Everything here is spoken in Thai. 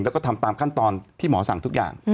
แล้วก็ทำตามขั้นตอนที่หมอสั่งทุกอย่าง